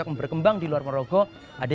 dlm orang ekso farga dan